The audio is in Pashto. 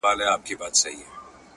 شكر دى چي مينه يې په زړه كـي ده.